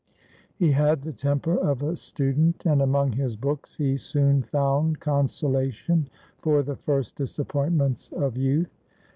He had the temper of a student, and among his books he soon found consolation for the first disappointments of youth.